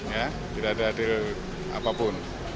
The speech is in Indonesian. ya tidak ada deal apapun